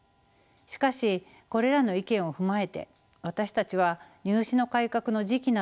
しかしこれらの意見を踏まえて私たちは入試の改革の時期などを判断しました。